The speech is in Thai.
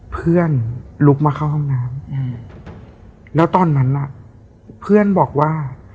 ลุกมาเข้าห้องน้ำแล้วตอนนั้นน่ะเพื่อนบอกว่า